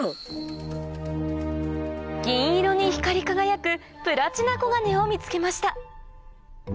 銀色に光り輝くプラチナコガネを見つけました